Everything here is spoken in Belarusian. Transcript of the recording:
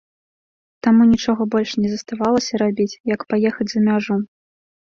Таму нічога больш не заставалася рабіць, як паехаць за мяжу.